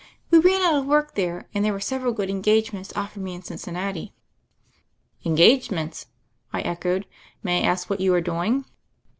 We ran out of work there, and there were several good engagements offered me in Cincinnati." "Engagements!" I echoed. "May I ask what you are doing?"